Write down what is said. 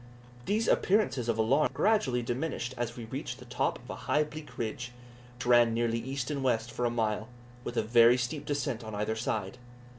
These appearances of alarm gradually diminished as we reached the top of a high bleak ridge, which ran nearly east and west for about a mile, with a very steep descent on either side.